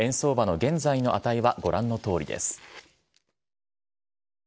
午前の終値と円相場の現在の値はご覧のとおりです。